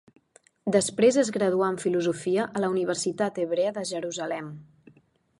Després es graduà en filosofia a la Universitat Hebrea de Jerusalem.